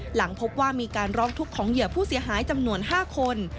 หลังพบว่ามีการร้องทุกข์ของเหยื่อผู้เสียหายจำนวน๕คน